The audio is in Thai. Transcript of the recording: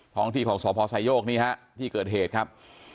ท้องที่ของสพไซโยกนี่ฮะที่เกิดเหตุครับ